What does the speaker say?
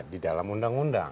di dalam undang undang